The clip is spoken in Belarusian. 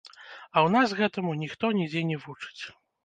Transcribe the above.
А ў нас гэтаму ніхто нідзе не вучыць.